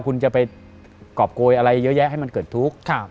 คุณจะไปกรอบโกยอะไรเยอะแยะให้มันเกิดทุกข์